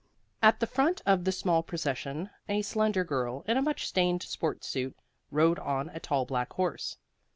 At the front of the small procession a slender girl, in a much stained sports suit, rode on a tall black horse.